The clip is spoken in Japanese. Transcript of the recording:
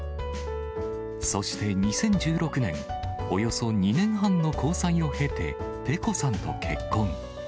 そして２０１６年、およそ２年半の交際を経て、ぺこさんと結婚。